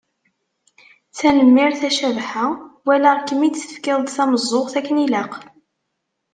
Tanemmirt a Cabḥa, walaɣ-kem-id tefkiḍ-d tameẓẓuɣt akken i ilaq.